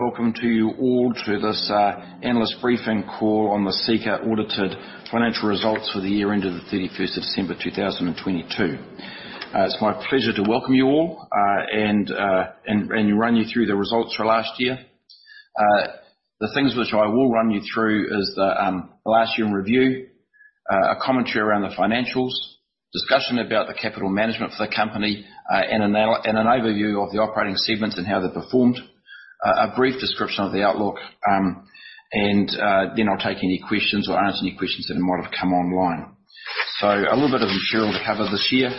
Welcome to you all to this analyst briefing call on the Seeka audited financial results for the year ended the 31st of December 2022. It's my pleasure to welcome you all and run you through the results for last year. The things which I will run you through is the last year in review, a commentary around the financials, discussion about the capital management for the company, an overview of the operating segments and how they performed, a brief description of the outlook. Then I'll take any questions or answer any questions that might have come online. A little bit of material to cover this year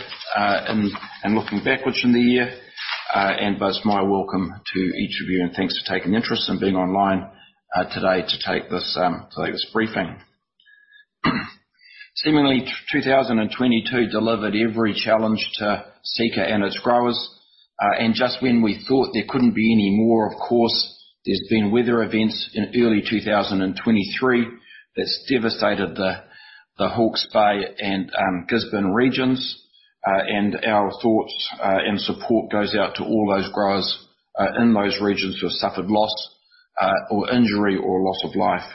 in looking backwards from the year. It's my welcome to each of you, and thanks for taking interest in being online today this briefing. Seemingly, 2022 delivered every challenge to Seeka and its growers. Just when we thought there couldn't be any more, of course, there's been weather events in early 2023 that's devastated the Hawke's Bay and Gisborne regions. Our thoughts and support goes out to all those growers in those regions who have suffered loss or injury or loss of life.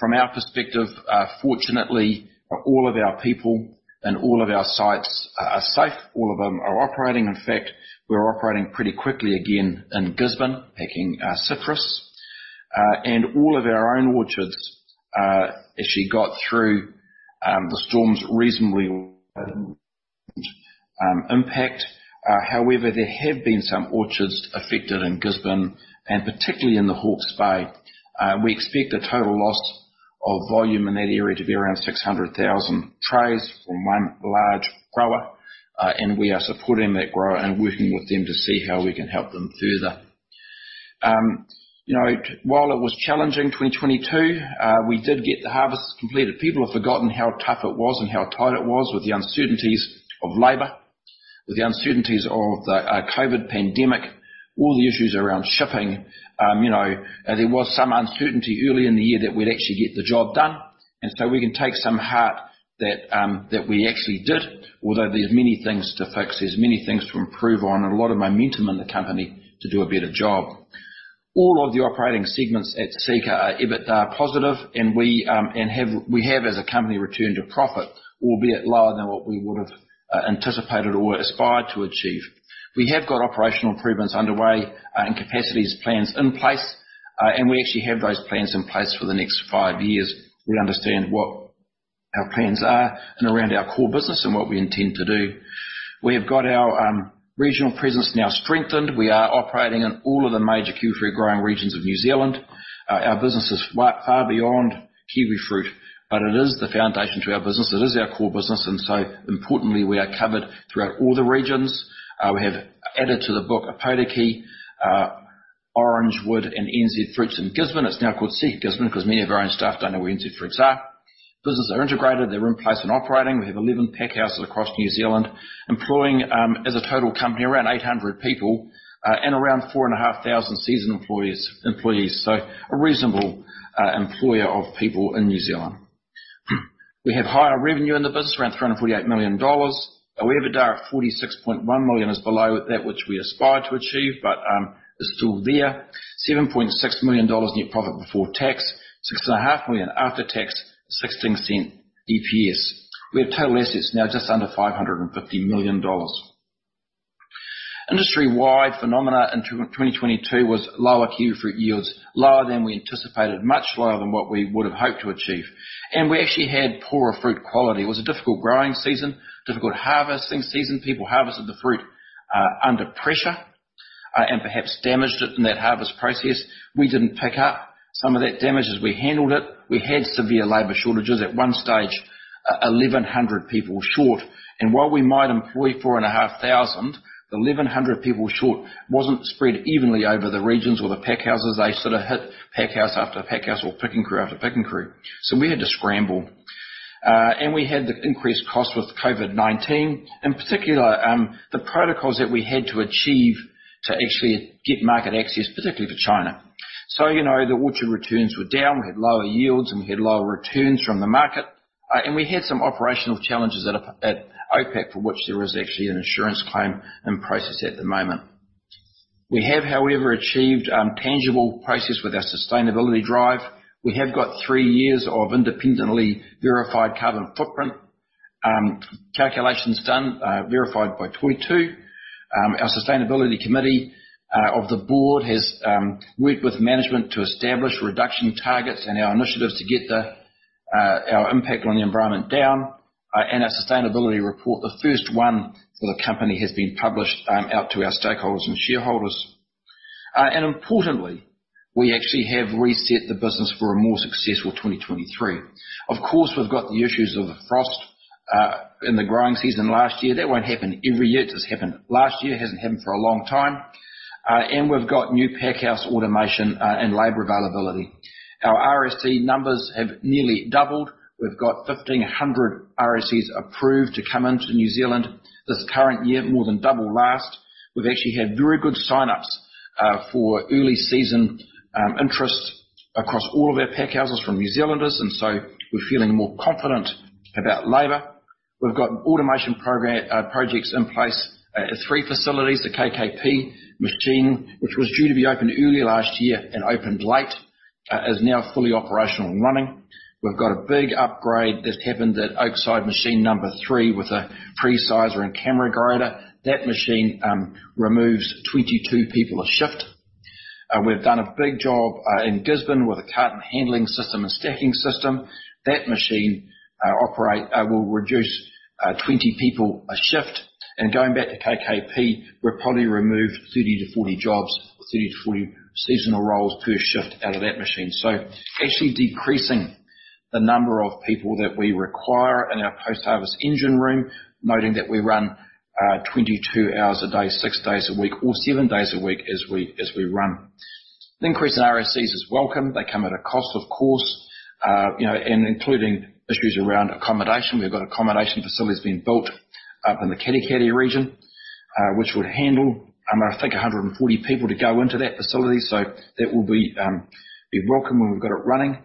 From our perspective, fortunately, all of our people and all of our sites are safe. All of them are operating. In fact, we're operating pretty quickly again in Gisborne, picking citrus. All of our own orchards actually got through the storms reasonably impact. However, there have been some orchards affected in Gisborne, and particularly in the Hawke's Bay. We expect a total loss of volume in that area to be around 600,000 trays from one large grower. We are supporting that grower and working with them to see how we can help them further. You know, while it was challenging, 2022, we did get the harvests completed. People have forgotten how tough it was and how tight it was with the uncertainties of labor, with the uncertainties of the COVID pandemic, all the issues around shipping. You know, there was some uncertainty early in the year that we'd actually get the job done. We can take some heart that we actually did. Although there's many things to fix, there's many things to improve on, and a lot of momentum in the company to do a better job. All of the operating segments at Seeka are EBITDA positive, and we have as a company returned to profit, albeit lower than what we would have anticipated or aspired to achieve. We have got operational improvements underway and capacities plans in place. We actually have those plans in place for the next five years. We understand what our plans are and around our core business and what we intend to do. We have got our regional presence now strengthened. We are operating in all of the major kiwi fruit growing regions of New Zealand. Our business is far beyond kiwi fruit, but it is the foundation to our business. It is our core business. Importantly, we are covered throughout all the regions. We have added to the book of Potiki, Orangewood, and NZ Fruits in Gisborne. It's now called Seeka Gisborne 'cause many of our own staff don't know where NZ Fruits are. Businesses are integrated. They're in place and operating. We have 11 packhouses across New Zealand, employing, as a total company, around 800 people, and around 4,500 seasoned employees. A reasonable employer of people in New Zealand. We have higher revenue in the business, around 348 million dollars. Our EBITDA of 46.1 million is below that which we aspire to achieve, but is still there. 7.6 million dollars net profit before tax, 6.5 million after tax, 0.16 EPS. We have total assets now just under 550 million dollars. Industry-wide phenomena in 2022 was lower kiwi fruit yields, lower than we anticipated, much lower than what we would have hoped to achieve. We actually had poorer fruit quality. It was a difficult growing season, difficult harvesting season. People harvested the fruit under pressure and perhaps damaged it in that harvest process. We didn't pick up some of that damage as we handled it. We had severe labor shortages. At one stage, 1,100 people were short. While we might employ 4,500, 1,100 people short wasn't spread evenly over the regions or the packhouses. They sort of hit packhouse after packhouse or picking crew after picking crew. We had to scramble. We had the increased cost with COVID-19. In particular, the protocols that we had to achieve to actually get market access, particularly for China. You know, the orchard returns were down. We had lower yields, and we had lower returns from the market. We had some operational challenges at OPAC, for which there is actually an insurance claim in process at the moment. We have, however, achieved tangible process with our sustainability drive. We have got three years of independently verified carbon footprint calculations done, verified by Toitū. Our sustainability committee of the board has worked with management to establish reduction targets and our initiatives to get the our impact on the environment down. Our sustainability report, the first one for the company, has been published out to our stakeholders and shareholders. Importantly, we actually have reset the business for a more successful 2023. Of course, we've got the issues of the frost in the growing season last year. That won't happen every year. It just happened last year. Hasn't happened for a long time. We've got new packhouse automation and labor availability. Our RSE numbers have nearly doubled. We've got 1,500 RSEs approved to come into New Zealand this current year, more than double last. We've actually had very good sign-ups for early season interests across all of our packhouses from New Zealanders, we're feeling more confident about labor. We've got automation projects in place at three facilities. The KKP machine, which was due to be opened early last year and opened late, is now fully operational and running. We've got a big upgrade that's happened at Oakside machine number three with a pre-sizer and camera grader. That machine removes 22 people a shift. We've done a big job in Gisborne with a carton handling system and stacking system. That machine will reduce 20 people a shift. Going back to KKP, we probably removed 30-40 jobs, or 30-40 seasonal roles per shift out of that machine. Actually decreasing the number of people that we require in our post-harvest engine room, noting that we run 22 hours a day, six days a week or seven days a week as we run. The increase in RSEs is welcome. They come at a cost, of course. You know, including issues around accommodation. We've got accommodation facilities being built up in the Katikati region, which would handle, I think 140 people to go into that facility. That will be welcome when we've got it running.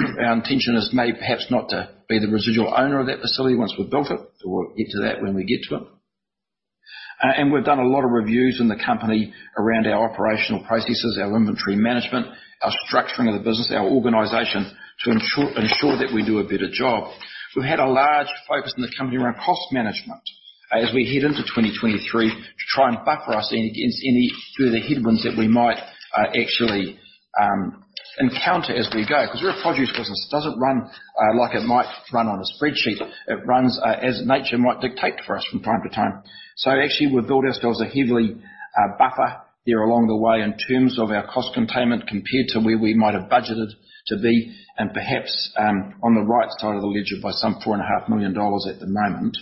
Our intention is maybe perhaps not to be the residual owner of that facility once we've built it, but we'll get to that when we get to it. We've done a lot of reviews in the company around our operational processes, our inventory management, our structuring of the business, our organization to ensure that we do a better job. We've had a large focus in the company around cost management as we head into 2023 to try and buffer us in, against any further headwinds that we might, actually, encounter as we go. 'Cause we're a produce business. It doesn't run, like it might run on a spreadsheet. It runs, as nature might dictate for us from time to time. So actually, we've built ourselves a heavily, buffer there along the way in terms of our cost containment compared to where we might have budgeted to be, and perhaps, on the right side of the ledger by some four and a half million NZD at the moment.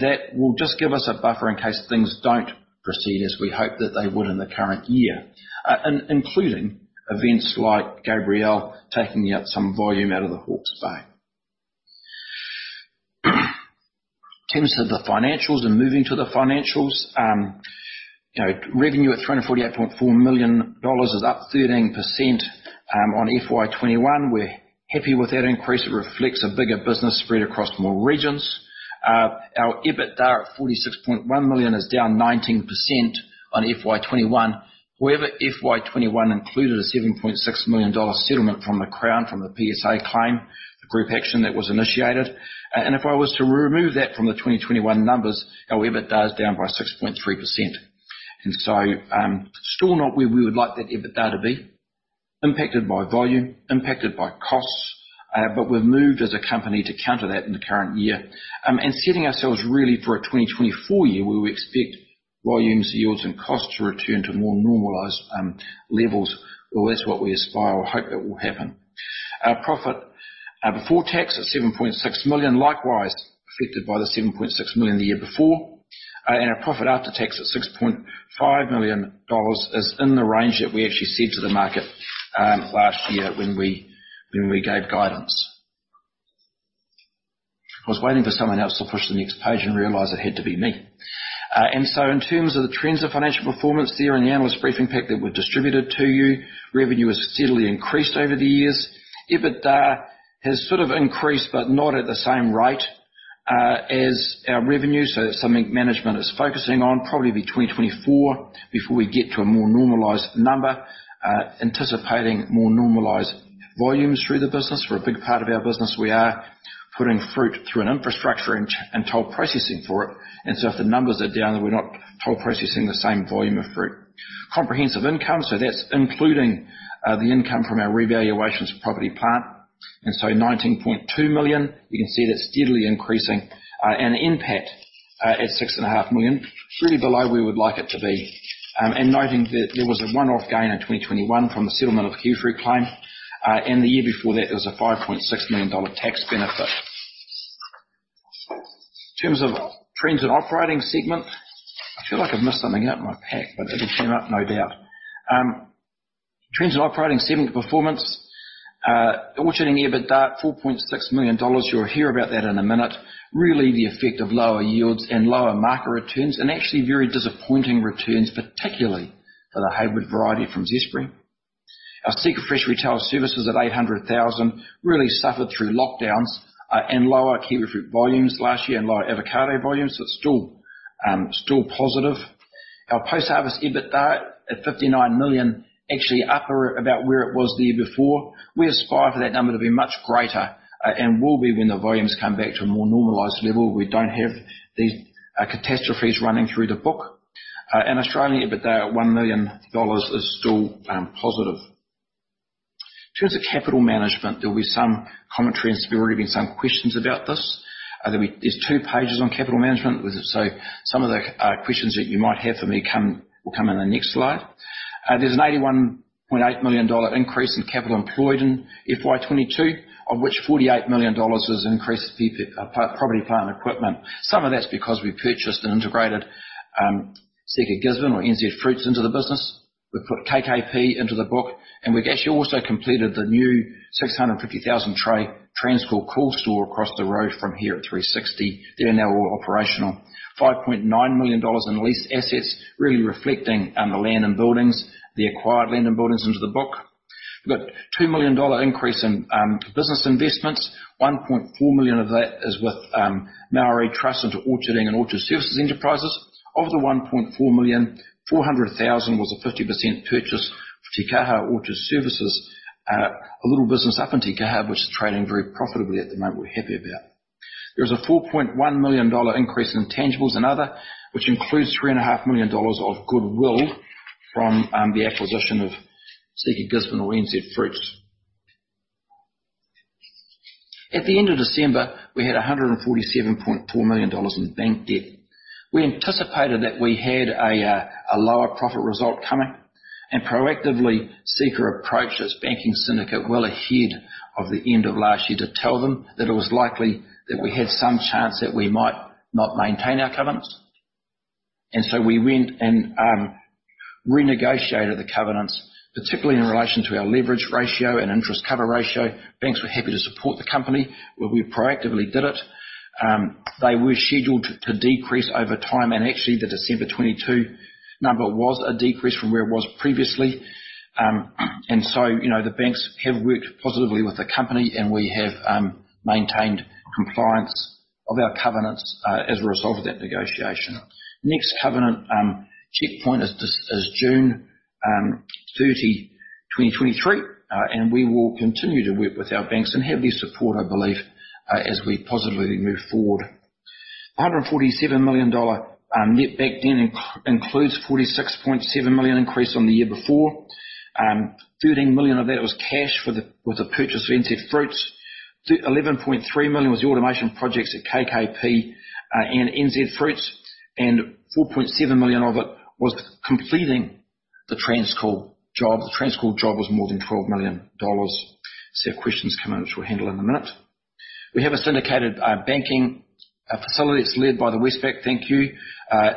That will just give us a buffer in case things don't proceed as we hope that they would in the current year, including events like Gabrielle taking out some volume out of the Hawke's Bay. In terms of the financials and moving to the financials, you know, revenue at $348.4 million is up 13% on FY 2021. We're happy with that increase. It reflects a bigger business spread across more regions. Our EBITDA at $46.1 million is down 19% on FY 2021. However, FY 2021 included a $7.6 million settlement from the Crown, from the PSA claim, the group action that was initiated. If I was to remove that from the 2021 numbers, our EBITDA is down by 6.3%. Still not where we would like that EBITDA to be. Impacted by volume, impacted by costs, we've moved as a company to counter that in the current year. Setting ourselves really for a 2024 year where we expect volumes, yields, and costs to return to more normalized levels. Well, that's what we aspire or hope it will happen. Our profit before tax at 7.6 million, likewise affected by the 7.6 million the year before. Our profit after tax at 6.5 million dollars is in the range that we actually said to the market last year when we gave guidance. I was waiting for someone else to push the next page and realize it had to be me. In terms of the trends of financial performance there in the analyst briefing pack that were distributed to you, revenue has steadily increased over the years. EBITDA has sort of increased, but not at the same rate as our revenue. That's something management is focusing on probably between 2024 before we get to a more normalized number, anticipating more normalized volumes through the business. For a big part of our business, we are putting fruit through an infrastructure and toll processing for it. If the numbers are down, then we're not toll processing the same volume of fruit. Comprehensive income, that's including the income from our revaluations of property plant. 19.2 million, you can see that's steadily increasing. NPAT at 6.5 million, really below where we would like it to be. Noting that there was a one-off gain in 2021 from the settlement of the kiwi fruit claim. The year before that, there was a 5.6 million dollar tax benefit. In terms of trends in operating segment. I feel like I've missed something out in my pack, it'll turn up, no doubt. Trends in operating segment performance. Orcharding EBITDA at 4.6 million dollars. You'll hear about that in a minute. Really the effect of lower yields and lower market returns, actually very disappointing returns, particularly for the Hayward variety from Zespri. Our SeekaFresh retail services at 800,000 really suffered through lockdowns, lower kiwi fruit volumes last year and lower avocado volumes, it's still positive. Our post-harvest EBITDA at 59 million, actually upper about where it was the year before. We aspire for that number to be much greater, and will be when the volumes come back to a more normalized level where we don't have these catastrophes running through the book. Australian EBITDA at one million dollars is still positive. In terms of capital management, there'll be some commentary, and there's already been some questions about this. There's two pages on capital management. Some of the questions that you might have for me will come in the next slide. There's an 81.8 million dollar increase in capital employed in FY 2022, of which 48 million dollars was an increase in property, plant, and equipment. Some of that's because we purchased and integrated, Seeka Gisborne or NZ Fruits into the business. We put KKP into the book, we've actually also completed the new 650,000 tray TransCool cool store across the road from here at 360. They're now all operational. 5.9 million dollars in leased assets, really reflecting the land and buildings, the acquired land and buildings into the book. two million dollar increase in business investments. 1.4 million of that is with Māori trust into orcharding and orchard services enterprises. Of the 1.4 million, 400,000 was a 50% purchase for Tīkaha Orchard Services, a little business up in Tīkaha, which is trading very profitably at the moment. We're happy about. There is a 4.1 million dollar increase in tangibles and other, which includes three and a half million dollars of goodwill from the acquisition of Seeka Gisborne or NZ Fruits. At the end of December, we had 147.4 million dollars in bank debt. We anticipated that we had a lower profit result coming. Proactively Seeka approached its banking syndicate well ahead of the end of last year to tell them that it was likely that we had some chance that we might not maintain our covenants. We went and renegotiated the covenants, particularly in relation to our leverage ratio and interest cover ratio. Banks were happy to support the company, where we proactively did it. Actually, they were scheduled to decrease over time, the December 22 number was a decrease from where it was previously. You know, the banks have worked positively with the company, and we have maintained compliance of our covenants as a result of that negotiation. Next covenant checkpoint is just, is June 30, 2023. We will continue to work with our banks and have their support, I believe, as we positively move forward. 147 million dollar net backed includes 46.7 million increase on the year before. 13 million of that was cash with the purchase of NZ Fruits. The 11.3 million was the automation projects at KKP and NZ Fruits, and 4.7 million of it was completing the TransCool job. The TransCool job was more than $12 million. See if questions come in, which we'll handle in a minute. We have a syndicated banking facilities led by Westpac, thank you.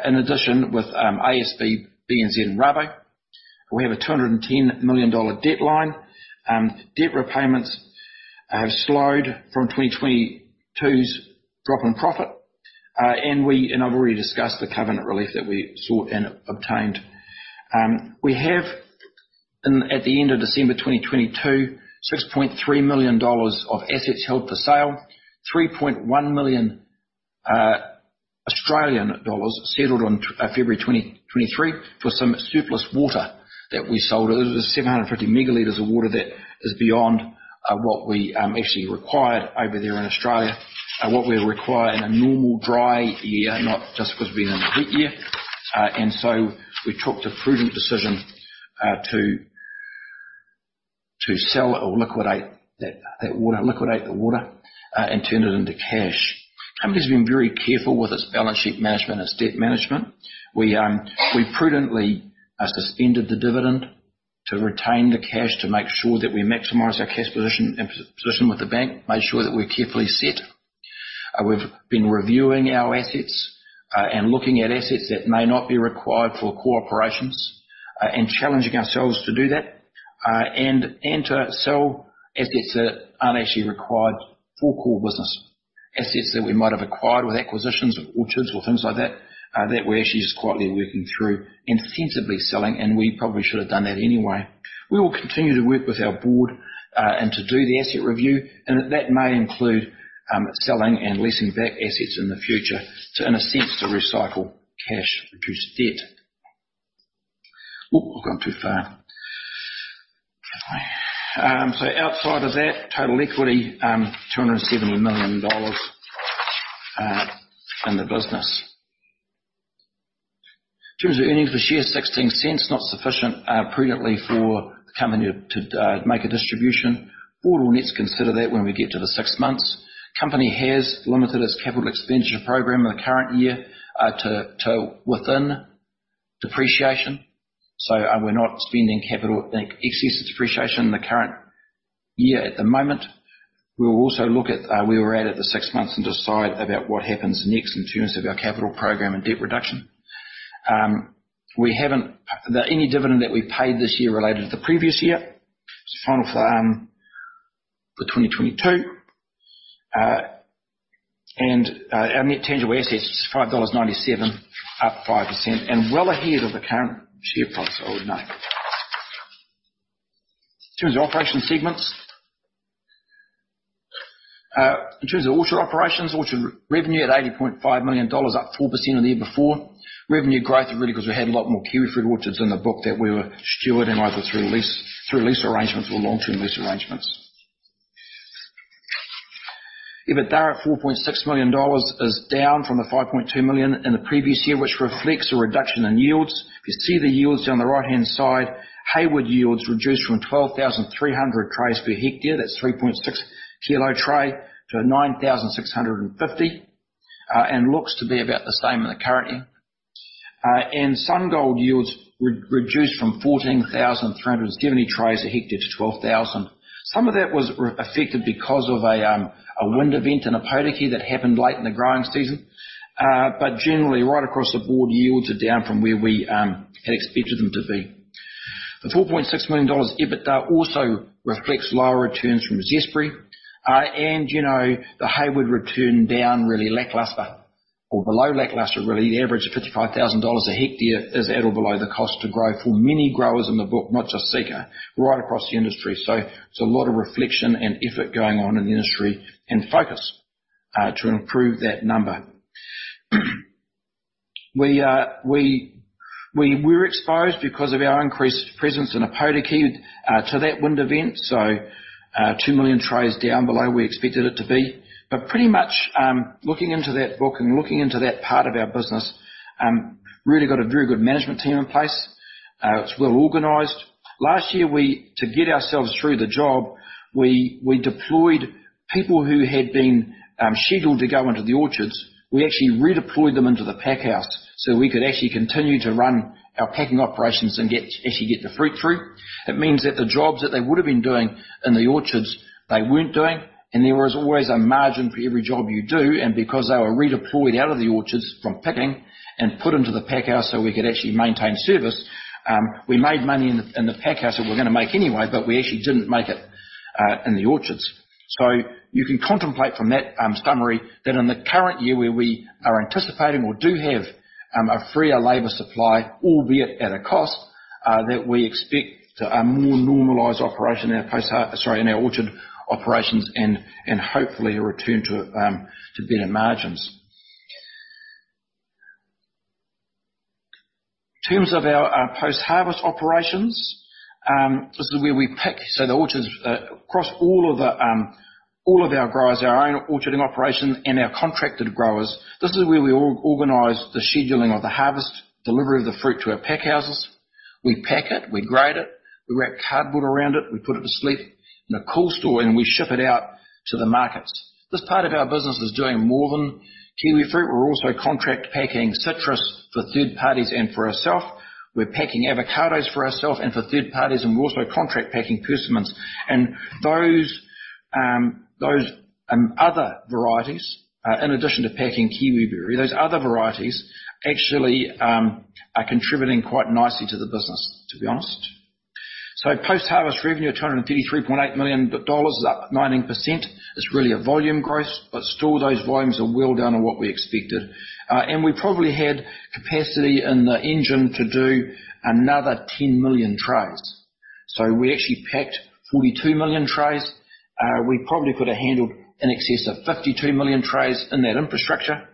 In addition, with ASB, BNZ, and Rabobank. We have a $210 million debt line. Debt repayments have slowed from 2022's drop in profit. I've already discussed the covenant relief that we sought and obtained. We have at the end of December 2022, $6.3 million of assets held for sale, 3.1 million Australian dollars settled on February 2023 for some surplus water that we sold. It was 750 megalitres of water that is beyond what we actually required over there in Australia. What we require in a normal dry year, not just because we're in a wet year. So we took the prudent decision to sell or liquidate that water, liquidate the water, and turn it into cash. Company's been very careful with its balance sheet management, its debt management. We prudently suspended the dividend to retain the cash to make sure that we maximize our cash position and position with the bank, made sure that we're carefully set. We've been reviewing our assets and looking at assets that may not be required for core operations and challenging ourselves to do that. To sell assets that aren't actually required for core business. Assets that we might have acquired with acquisitions of orchards or things like that we're actually just quietly working through and sensibly selling. We probably should have done that anyway. We will continue to work with our board to do the asset review, and that may include selling and leasing back assets in the future to, in a sense, to recycle cash, reduce debt. Oh, I've gone too far. Outside of that, total equity, 270 million dollars in the business. In terms of earnings per share, 0.16, not sufficient prudently for the company to make a distribution. Board will need to consider that when we get to the six months. Company has limited its capital expenditure program in the current year to within depreciation. We're not spending capital in excess of depreciation in the current year at the moment. We'll also look at where we're at at the six months and decide about what happens next in terms of our capital program and debt reduction. We haven't. Any dividend that we paid this year related to the previous year, final for 2022. Our net tangible assets is 5.97 dollars, up 5% and well ahead of the current share price, I would note. In terms of operation segments. In terms of orchard operations, orchard revenue at 80.5 million dollars, up 4% on the year before. Revenue growth really because we had a lot more kiwi fruit orchards in the book that we were stewarding either through lease arrangements or long-term lease arrangements. EBITDA at 4.6 million dollars is down from the 5.2 million in the previous year, which reflects a reduction in yields. You see the yields down the right-hand side. Hayward yields reduced from 12,300 trays per hectare. That's 3.6 kilo tray to 9,650, and looks to be about the same in the current year. Sungold yields reduced from 14,370 trays a hectare to 12,000. Some of that was affected because of a wind event in Ōpōtiki that happened late in the growing season. Generally right across the board, yields are down from where we had expected them to be. The 4.6 million dollars EBITDA also reflects lower returns from Zespri. You know, the Hayward return down really lackluster or below lackluster, really. The average of $55,000 a hectare is at or below the cost to grow for many growers in the book, not just Zespri, right across the industry. There's a lot of reflection and effort going on in the industry and focus to improve that number. We're exposed because of our increased presence in Ōpōtiki to that wind event. Two million trays down below we expected it to be. Pretty much, looking into that book and looking into that part of our business, really got a very good management team in place. It's well organized. Last year, to get ourselves through the job, we deployed people who had been scheduled to go into the orchards. We actually redeployed them into the packhouse, so we could actually continue to run our packing operations and get, actually get the fruit through. It means that the jobs that they would have been doing in the orchards, they weren't doing, and there was always a margin for every job you do. Because they were redeployed out of the orchards from picking and put into the packhouse, so we could actually maintain service, we made money in the packhouse that we're gonna make anyway, but we actually didn't make it, in the orchards. You can contemplate from that, summary that in the current year, where we are anticipating or do have, a freer labor supply, albeit at a cost, that we expect a more normalized operation in our post-harve... Sorry, in our orchard operations and hopefully a return to better margins. In terms of our post-harvest operations, this is where we pick. The orchards, across all of the, all of our growers, our own orcharding operations, and our contracted growers. This is where we organize the scheduling of the harvest, delivery of the fruit to our packhouses. We pack it. We grade it. We wrap cardboard around it. We put it to sleep in a cool store, and we ship it out to the markets. This part of our business is doing more than kiwi fruit. We're also contract packing citrus for third parties and for ourself. We're packing avocados for ourself and for third parties, and we're also contract packing persimmons. Those other varieties, in addition to packing kiwi fruit, those other varieties actually are contributing quite nicely to the business, to be honest. Post-harvest revenue of NZD 233.8 million, up 19%. It's really a volume growth, but still those volumes are well down on what we expected. We probably had capacity in the engine to do another 10 million trays. We actually packed 42 million trays. We probably could have handled in excess of 52 million trays in that infrastructure.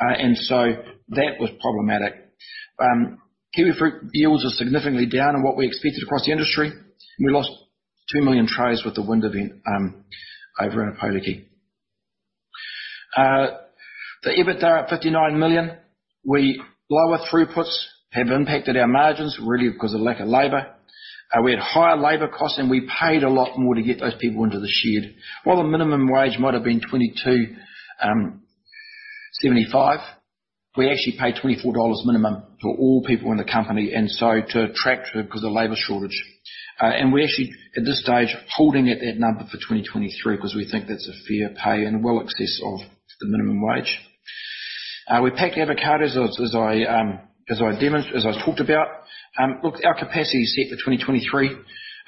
That was problematic. kiwi fruit yields are significantly down on what we expected across the industry, and we lost two million trays with the wind event, over in Ōpōtiki. EBITDA at 59 million. Lower throughputs have impacted our margins really because of lack of labor. We had higher labor costs, and we paid a lot more to get those people into the shed. While the minimum wage might have been 22.75, we actually paid 24 dollars minimum for all people in the company, and so to attract 'cause of labor shortage. We're actually, at this stage, holding at that number for 2023 'cause we think that's a fair pay and well in excess of the minimum wage. We packed avocados as I talked about. Look, our capacity is set for 2023,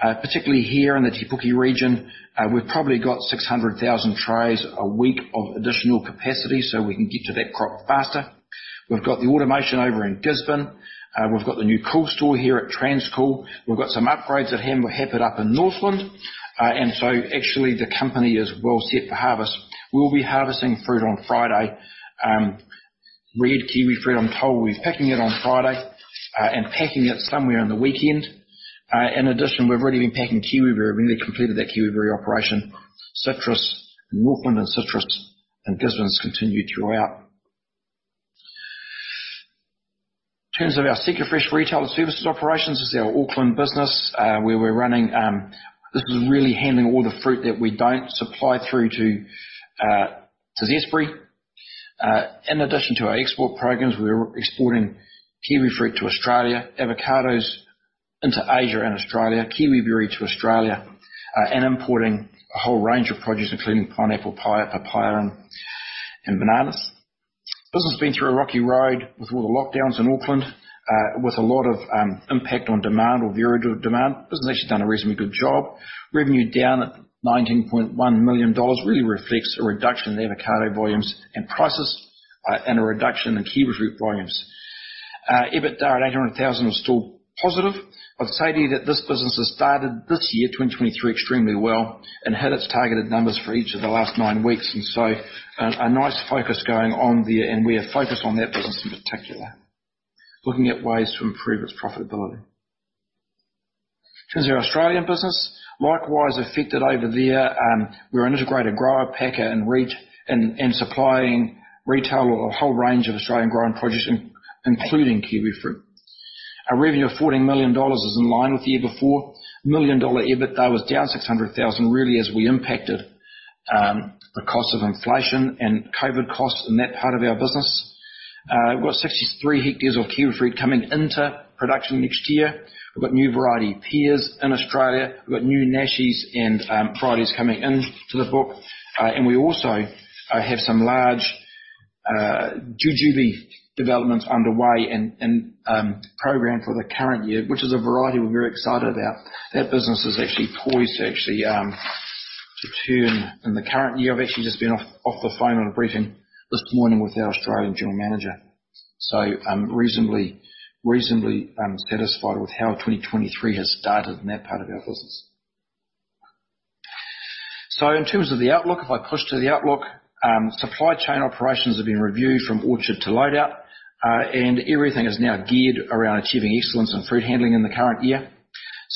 particularly here in the Te Puke region. We've probably got 600,000 trays a week of additional capacity, so we can get to that crop faster. We've got the automation over in Gisborne. We've got the new cool store here at TransCool. We've got some upgrades at Hamurana up in Northland. Actually the company is well set for harvest. We'll be harvesting fruit on Friday. Red kiwi fruit, I'm told. We're picking it on Friday and packing it somewhere in the weekend. In addition, we've already been packing kiwi fruit. We've nearly completed that kiwi fruit operation. Citrus in Northland, and citrus in Gisborne has continued throughout. In terms of our SeekaFresh Retail and Services operations. This is our Auckland business, where we're running. This is really handling all the fruit that we don't supply through to Zespri. In addition to our export programs. We're exporting kiwi fruit to Australia, avocados into Asia and Australia, kiwi fruit to Australia, and importing a whole range of produce, including pineapple, papaya, and bananas. Business has been through a rocky road with all the lockdowns in Auckland, with a lot of impact on demand or very little demand. Business has actually done a reasonably good job. Revenue down at $19.1 million really reflects a reduction in the avocado volumes and prices, and a reduction in kiwi fruit volumes. EBITDA at $800,000 was still positive. I'd say to you that this business has started this year, 2023, extremely well and hit its targeted numbers for each of the last nine weeks. A nice focus going on there, and we are focused on that business in particular. Looking at ways to improve its profitability. In terms of our Australian business, likewise affected over there. We're an integrated grower, packer, and supplying retail a whole range of Australian grown produce including kiwi fruit. Our revenue of $14 million is in line with the year before. $1 million EBITDA was down $600,000, really as we impacted the cost of inflation and COVID-19 costs in that part of our business. We've got 63 hectares of kiwi fruit coming into production next year. We've got new variety pears in Australia. We've got new Nashis and Piqa coming into the book. We also have some large jujube developments underway and programmed for the current year, which is a variety we're very excited about. That business is actually poised to actually turn in the current year. I've actually just been off the phone on a briefing this morning with our Australian general manager. I'm reasonably satisfied with how 2023 has started in that part of our business. In terms of the outlook, if I push to the outlook, supply chain operations have been reviewed from orchard to load-out, and everything is now geared around achieving excellence in fruit handling in the current year.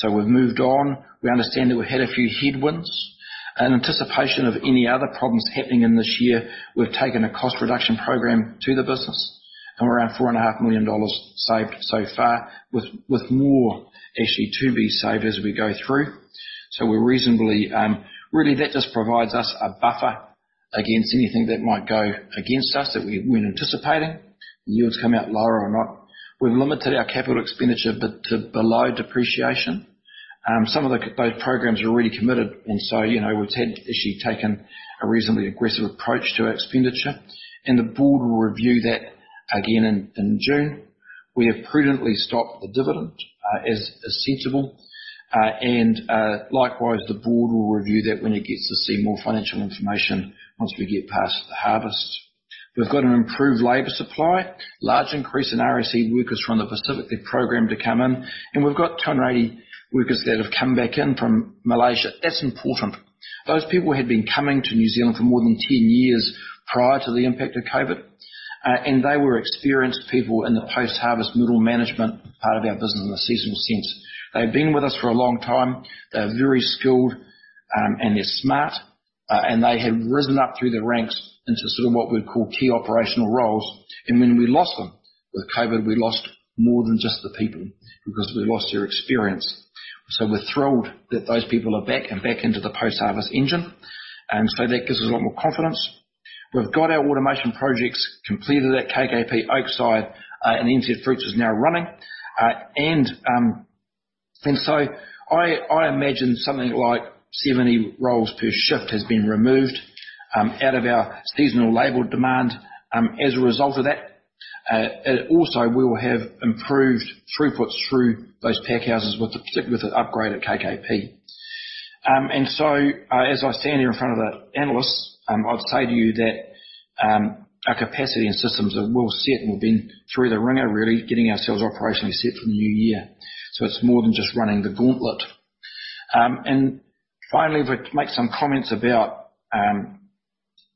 We've moved on. We understand that we've had a few headwinds. In anticipation of any other problems happening in this year, we've taken a cost reduction program to the business, and we're around four and a half million dollars saved so far, with more actually to be saved as we go through. We're reasonably. Really, that just provides us a buffer against anything that might go against us that we weren't anticipating. Yields come out lower or not. We've limited our capital expenditure to below depreciation. Some of those programs are already committed, and so, you know, we've had actually taken a reasonably aggressive approach to our expenditure, and the board will review that again in June. We have prudently stopped the dividend, as is sensible. Likewise, the board will review that when it gets to see more financial information once we get past the harvest. We've got an improved labor supply. Large increase in RSE workers from the Pacific, they've programmed to come in, and we've got Tongan workers that have come back in from Malaysia. That's important. Those people had been coming to New Zealand for more than 10 years prior to the impact of COVID. And they were experienced people in the post-harvest middle management part of our business in a seasonal sense. They've been with us for a long time. They're very skilled, and they're smart, and they have risen up through the ranks into sort of what we'd call key operational roles. When we lost them with COVID, we lost more than just the people because we lost their experience. We're thrilled that those people are back and back into the post-harvest engine. That gives us a lot more confidence. We've got our automation projects completed at KKP Oakside, and NZ Fruits is now running. I imagine something like 70 roles per shift has been removed out of our seasonal labor demand as a result of that. It also will have improved throughputs through those pack houses with the upgrade at KKP. As I stand here in front of the analysts, I'd say to you that our capacity and systems are well set, and we've been through the wringer really getting ourselves operationally set for the new year. It's more than just running the gauntlet. Finally, if I make some comments about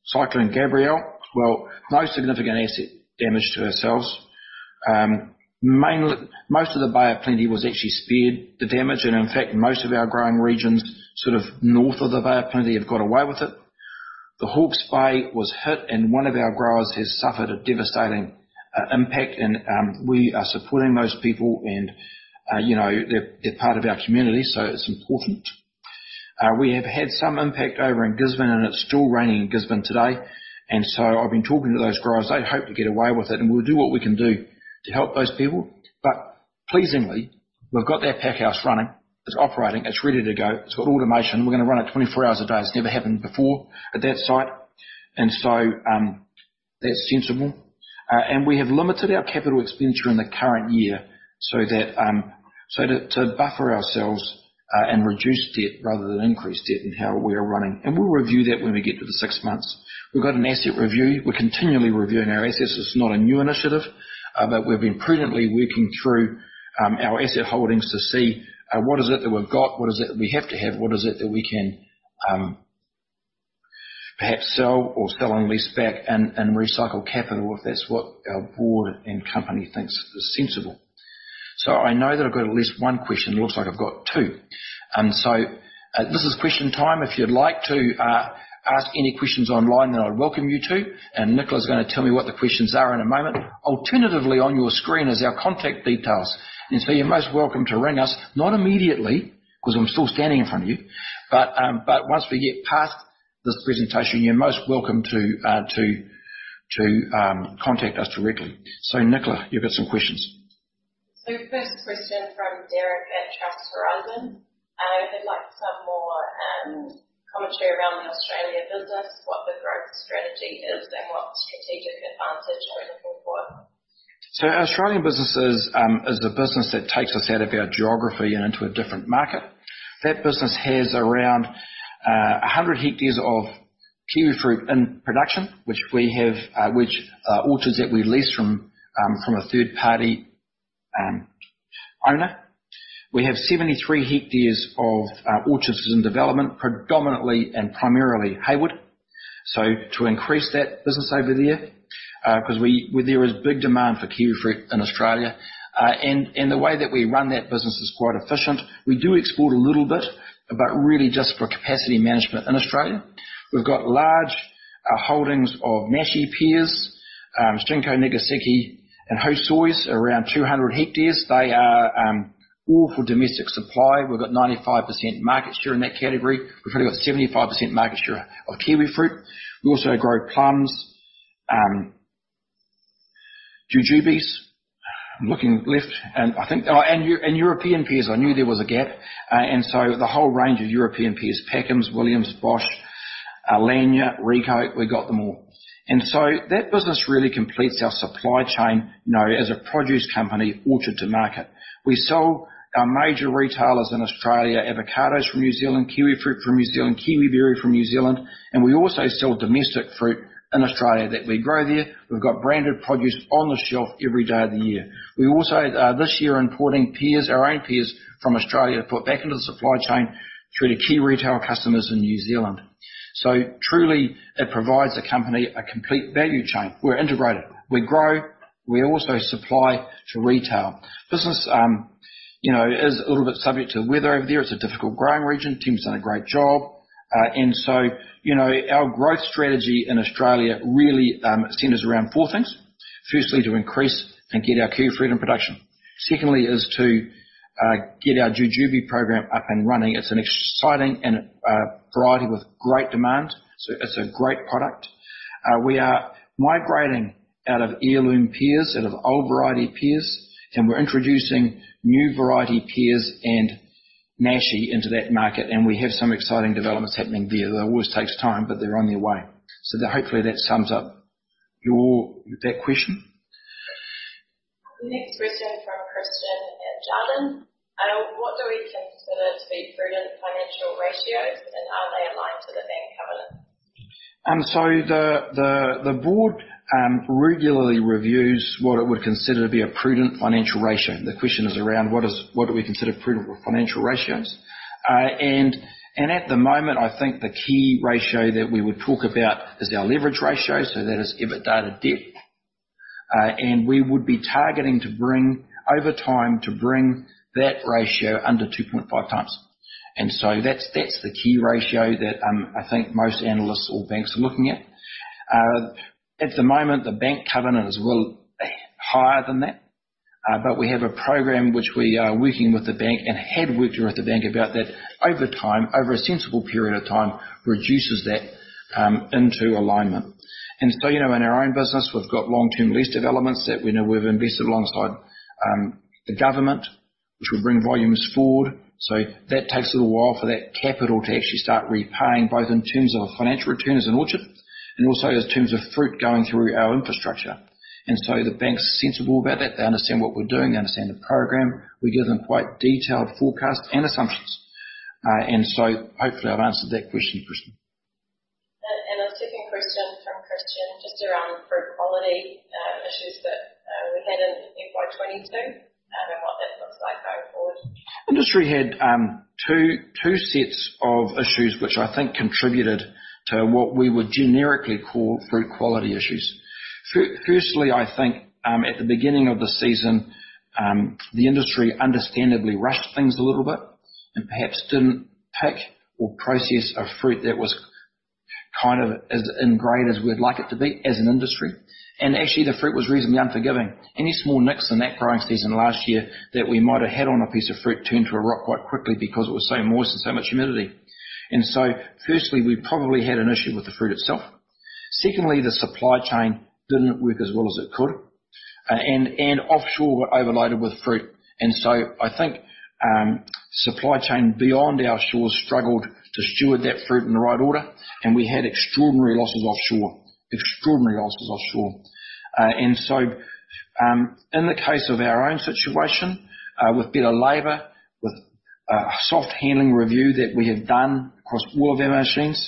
Cyclone Gabrielle. Well, no significant asset damage to ourselves. Mainly, most of the Bay of Plenty was actually spared the damage. In fact, most of our growing regions, sort of north of the Bay of Plenty, have got away with it. The Hawke's Bay was hit, and one of our growers has suffered a devastating impact and we are supporting those people and, you know, they're part of our community, so it's important. We have had some impact over in Gisborne, and it's still raining in Gisborne today. I've been talking to those growers. They hope to get away with it, and we'll do what we can do to help those people. Pleasingly, we've got that pack house running. It's operating. It's ready to go. It's got automation. We're gonna run it 24 hours a day. It's never happened before at that site. That's sensible. We have limited our capital expenditure in the current year so that, so to buffer ourselves, and reduce debt rather than increase debt in how we are running. We'll review that when we get to the six months. We've got an asset review. We're continually reviewing our assets. It's not a new initiative, but we've been prudently working through our asset holdings to see what is it that we've got, what is it that we have to have, what is it that we can perhaps sell or sell and lease back and recycle capital if that's what our board and company thinks is sensible. I know that I've got at least one question. It looks like I've got two. This is question time. If you'd like to ask any questions online, then I'd welcome you to, Nicola's gonna tell me what the questions are in a moment. Alternatively, on your screen is our contact details. You're most welcome to ring us, not immediately, 'cause I'm still standing in front of you, but once we get past this presentation, you're most welcome to contact us directly. Nicola, you've got some questions. First question from Derek at Trust Horizon. He'd like some more commentary around the Australia business, what the growth strategy is, and what strategic advantage are we looking for? Our Australian business is the business that takes us out of our geography and into a different market. That business has around 100 hectares of kiwi fruit in production, which we have orchards that we lease from a third party owner. We have 73 hectares of orchards in development, predominantly and primarily Hayward. To increase that business over there, 'cause there is big demand for kiwi fruit in Australia. The way that we run that business is quite efficient. We do export a little bit, but really just for capacity management in Australia. We've got large holdings of Nashi Pears, Shinseiki, Nijisseiki, and Hosuis, around 200 hectares. They are all for domestic supply. We've got 95% market share in that category. We've probably got 75% market share of kiwi fruit. We also grow plums, jujubes. I'm looking left, and I think and European pears. I knew there was a gap. The whole range of European pears, Packham's, Williams, Bosc, Lanja, Ricó, we got them all. That business really completes our supply chain, you know, as a produce company, orchard to market. We sell our major retailers in Australia, avocados from New Zealand, kiwi fruit from New Zealand, kiwiberry from New Zealand, and we also sell domestic fruit in Australia that we grow there. We've got branded produce on the shelf every day of the year. We also this year are importing pears, our own pears from Australia to put back into the supply chain through to key retail customers in New Zealand. Truly it provides the company a complete value chain. We're integrated. We grow. We also supply to retail. Business, you know, is a little bit subject to the weather over there. It's a difficult growing region. Team's done a great job. You know, our growth strategy in Australia really centers around four things. Firstly, to increase and get our kiwi fruit in production. Secondly is to get our jujube program up and running. It's an exciting and variety with great demand. It's a great product. We are migrating out of heirloom pears, out of old variety pears, and we're introducing new variety pears and Nashi into that market, and we have some exciting developments happening there. It always takes time, but they're on their way. Hopefully that sums up that question. Next question from Christian at Jarden. What do we consider to be prudent financial ratios, and are they aligned to the bank covenants? The board regularly reviews what it would consider to be a prudent financial ratio. The question is around what do we consider prudent financial ratios. At the moment, I think the key ratio that we would talk about is our leverage ratio, so that is EBITDA to debt. We would be targeting to bring, over time, to bring that ratio under 2.5x. That's the key ratio that I think most analysts or banks are looking at. At the moment, the bank covenant is well higher than that. We have a program which we are working with the bank and had worked with the bank about that over time, over a sensible period of time, reduces that into alignment. You know, in our own business, we've got long-term lease developments that we know we've invested alongside the government, which will bring volumes forward. That takes a little while for that capital to actually start repaying, both in terms of financial return as an orchard and also in terms of fruit going through our infrastructure. The bank's sensible about that. They understand what we're doing. They understand the program. We give them quite detailed forecasts and assumptions. Hopefully I've answered that question, Christian. A second question from Christian, just around fruit quality issues that we had in FY 2022, and what that looks like going forward. Industry had two sets of issues which I think contributed to what we would generically call fruit quality issues. Firstly, I think, at the beginning of the season, the industry understandably rushed things a little bit and perhaps didn't pick or process a fruit that was kind of as in grade as we'd like it to be as an industry. Actually, the fruit was reasonably unforgiving. Any small nicks in that growing season last year that we might have had on a piece of fruit turned to a rot quite quickly because it was so moist and so much humidity. Firstly, we probably had an issue with the fruit itself. Secondly, the supply chain didn't work as well as it could. Offshore were overloaded with fruit. I think supply chain beyond our shores struggled to steward that fruit in the right order. We had extraordinary losses offshore. Extraordinary losses offshore. In the case of our own situation, with better labor, with a soft handling review that we have done across all of our machines,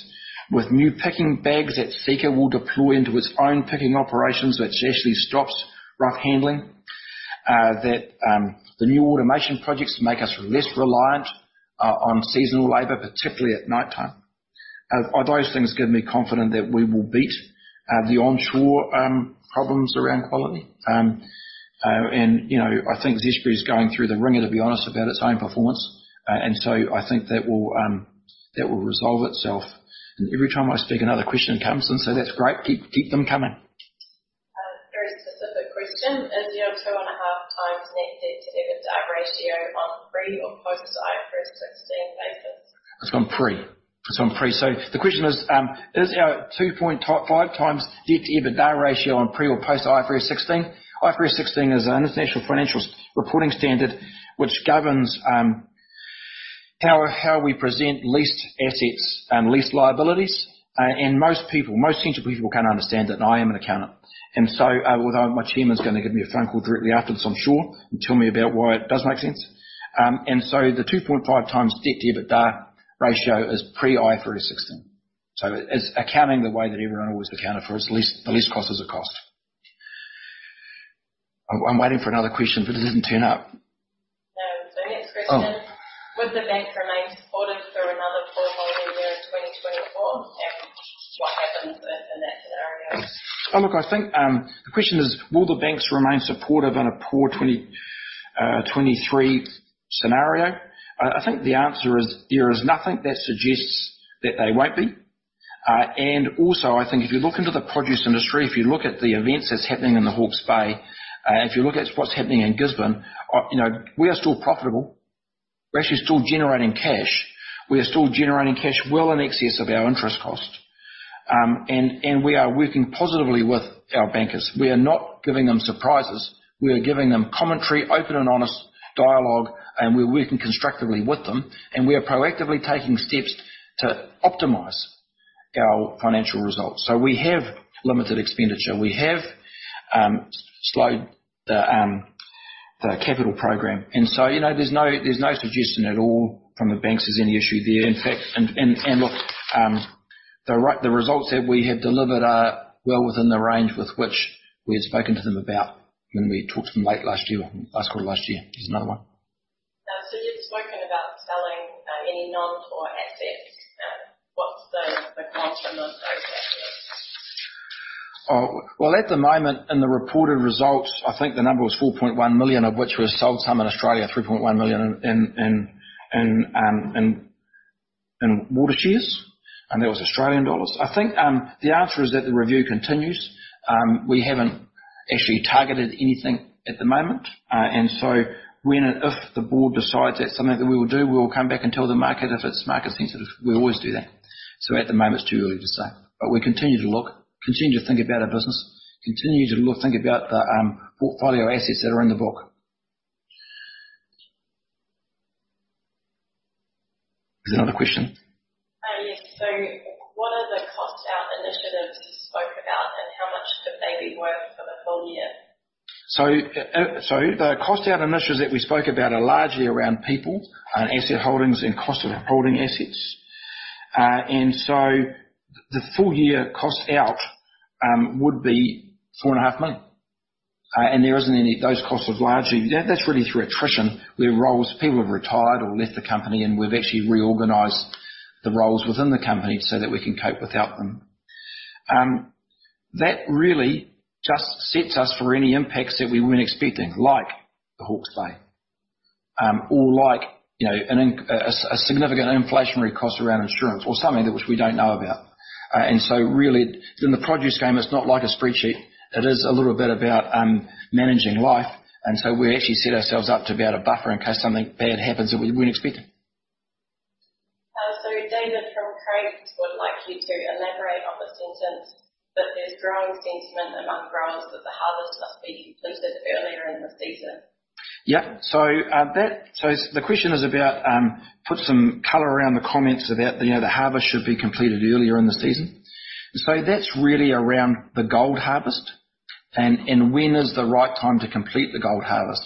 with new picking bags that Zespri will deploy into its own picking operations, which actually stops rough handling. That the new automation projects make us less reliant on seasonal labor, particularly at nighttime. Those things give me confident that we will beat the onshore problems around quality. You know, I think Zespri is going through the wringer to be honest about its own performance. I think that will resolve itself. Every time I speak, another question comes in, so that's great. Keep them coming. A very specific question. Is your 2.5x net debt-to-EBITDA ratio on pre or post IFRS 16 basis? It's on pre. The question is our 2.5x debt-to-EBITDA ratio on pre or post IFRS 16? IFRS 16 is an international financial reporting standard which governs how we present leased assets, lease liabilities. Most sensible people can't understand it, and I am an accountant. Although my chairman's gonna give me a phone call directly after this, I'm sure, and tell me about why it does make sense. The 2.5x debt-to-EBITDA ratio is pre IFRS 16. It's accounting the way that everyone always accounted for. The lease cost is a cost. I'm waiting for another question, but it doesn't turn up. No. Next question. Oh. Would the bank remain supportive through another poor volume year in 2024? What happens if in that scenario? Look, I think the question is, will the banks remain supportive in a poor 2023 scenario? I think the answer is there is nothing that suggests that they won't be. I think if you look into the produce industry, if you look at the events that's happening in the Hawke's Bay, if you look at what's happening in Gisborne, you know, we are still profitable. We're actually still generating cash. We are still generating cash well in excess of our interest cost. We are working positively with our bankers. We are not giving them surprises. We are giving them commentary, open and honest dialogue, and we're working constructively with them, and we are proactively taking steps to optimize our financial results. We have limited expenditure. We have slowed the capital program. You know, there's no, there's no suggestion at all from the banks there's any issue there. In fact, and look, the results that we have delivered are well within the range with which we had spoken to them about when we talked to them late last year, last quarter, last year. There's another one. You've spoken about selling any non-core assets. What's the cost on those assets? Well, at the moment, in the reported results, I think the number was $4.1 million, of which we sold some in Australia, 3.1 million in water shares. I think the answer is that the review continues. We haven't actually targeted anything at the moment. When and if the board decides that's something that we will do, we'll come back and tell the market. If it's market sensitive, we always do that. At the moment, it's too early to say. We continue to look, continue to think about our business, continue to look, think about the portfolio assets that are in the book. Is there another question? Yes. What are the cost out initiatives you spoke about, and how much could they be worth for the full year? The cost out initiatives that we spoke about are largely around people and asset holdings and cost of holding assets. The full year cost out would be 4.5 million. That's really through attrition, where roles, people have retired or left the company and we've actually reorganized the roles within the company so that we can cope without them. That really just sets us for any impacts that we weren't expecting, like the Hawke's Bay, or like, you know, a significant inflationary cost around insurance or something that, which we don't know about. Really, in the produce game, it's not like a spreadsheet. It is a little bit about managing life. We actually set ourselves up to be able to buffer in case something bad happens that we weren't expecting. David from Craigs would like you to elaborate on the sentence that there's growing sentiment among growers that the harvest must be completed earlier in the season. Yeah. The question is about, put some color around the comments about, you know, the harvest should be completed earlier in the season. That's really around the Gold harvest and when is the right time to complete the Gold harvest.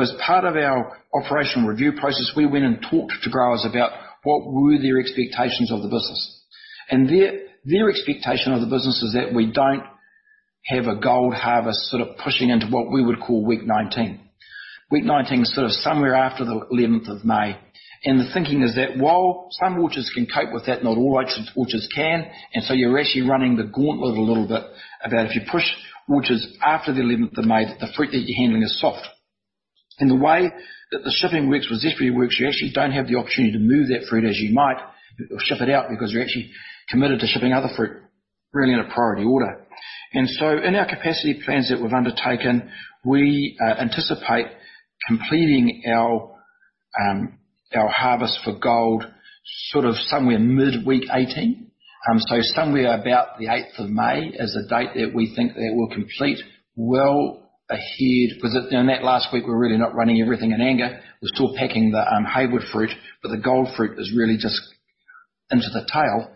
As part of our operational review process, we went and talked to growers about what were their expectations of the business. Their expectation of the business is that we don't have a Gold harvest sort of pushing into what we would call week 19. Week 19 is sort of somewhere after the 11th of May. The thinking is that while some orchards can cope with that, not all orchards can. You're actually running the gauntlet a little bit about if you push orchards after the 11th of May, that the fruit that you're handling is soft. The way that the shipping works with Zespri works, you actually don't have the opportunity to move that fruit as you might or ship it out because you're actually committed to shipping other fruit really in a priority order. In our capacity plans that we've undertaken, we anticipate completing our harvest for Gold sort of somewhere mid-week 18. Somewhere about the 8th of May is a date that we think that we'll complete well ahead. 'Cause, you know, in that last week, we're really not running everything in anger. We're still packing the Hayward fruit, but the Gold fruit is really just into the tail.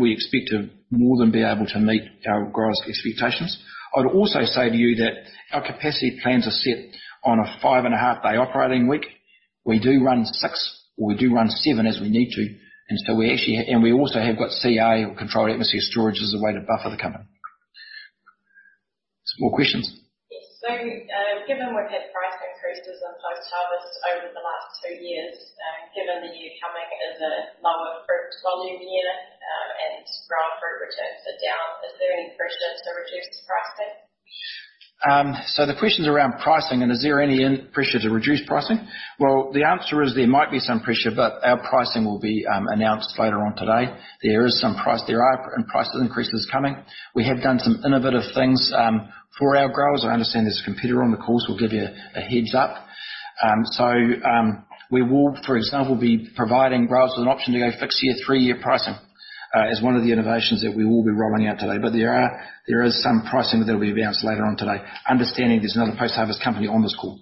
We expect to more than be able to meet our growers' expectations. I would also say to you that our capacity plans are set on a five-and-a-half-day operating week. We do run six, or we do run seven as we need to. We also have got CA or controlled atmosphere storage as a way to buffer the company. Some more questions? Yes. given we've had price increases in post-harvest over the last two years, given the year coming is a lower fruit volume year, and grower fruit returns are down, is there any pressure to reduce the pricing? The question's around pricing and is there any pressure to reduce pricing. Well, the answer is there might be some pressure, but our pricing will be announced later on today. There are price increases coming. We have done some innovative things for our growers. I understand there's a competitor on the calls. We'll give you a heads up. We will, for example, be providing growers with an option to go fixed-year, three-year pricing, as one of the innovations that we will be rolling out today. There is some pricing that'll be announced later on today. Understanding there's another post-harvest company on this call.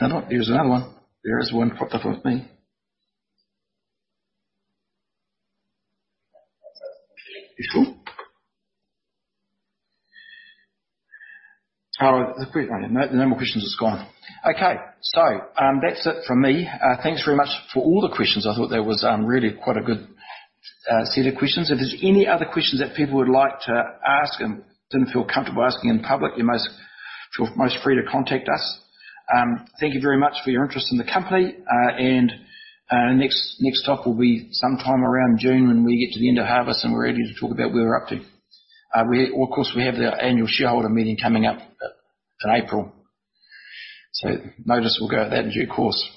No. There's another one. There is one propped up with me. You sure? There's a quick one. No more questions. It's gone. Okay. That's it from me. Thanks very much for all the questions. I thought that was really quite a good set of questions. If there's any other questions that people would like to ask and didn't feel comfortable asking in public, feel most free to contact us. Thank you very much for your interest in the company. Next stop will be sometime around June when we get to the end of harvest, and we're ready to talk about where we're up to. Of course, we have the annual shareholder meeting coming up in April. Notice will go out then in due course.